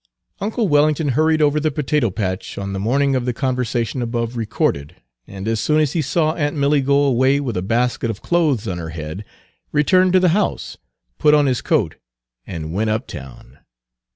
Uncle Wellington hurried over the potato patch on the morning of the conversation above recorded, and as soon as he saw aunt Page 214 Milly go away with a basket of clothes on her head, returned to the house, put on his coat, and went uptown.